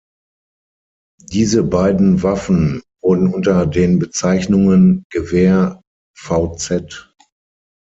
Diese beiden Waffen wurden unter den Bezeichnungen Gewehr vz.